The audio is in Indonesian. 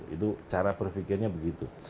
itu cara berfikirnya begitu